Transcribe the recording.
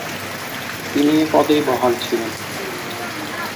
তিনি এই পদেই বহাল ছিলেন।